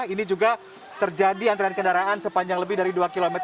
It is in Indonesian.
ini juga terjadi antrean kendaraan sepanjang lebih dari dua km